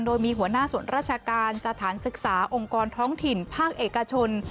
โดยมีหัวหน้าส่วนราชการสถานศึกษาองค์กรท้องถิ่นภาคเอกชน